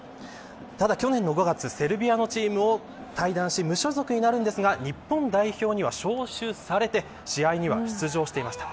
去年の５月セルビアのチームを退団し無所属になりますが日本代表には招集されて試合には出場していました。